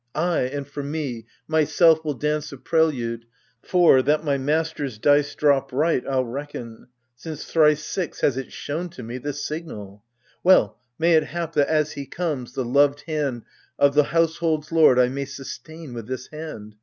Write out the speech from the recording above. Ay, and, for me, myself will dance a prelude, For, that my masters' dice drop right, I'll reckon : Since thrice six has it thrown to me, this signal. Well, may it hap that, as he comes, the loved hand O' the household's lord I may sustain with this hand